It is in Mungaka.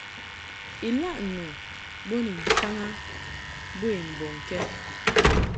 Ilaʼ nu bo ni ntaŋ a bə i mbɔŋkɛd.